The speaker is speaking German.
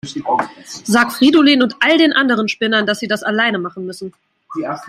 Sag Fridolin und all den anderen Spinnern, dass sie das alleine machen müssen.